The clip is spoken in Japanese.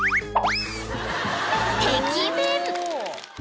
［てきめん！］